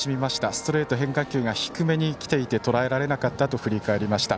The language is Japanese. ストレート、変化球が低めに来ていてとらえられなかったと振り返りました。